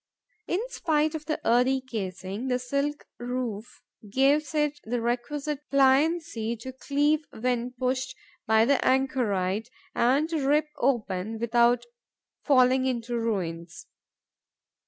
In spite of the earthy casing, the silk woof gives it the requisite pliancy to cleave when pushed by the anchorite and to rip open without falling into ruins.